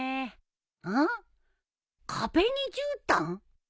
壁にじゅうたん？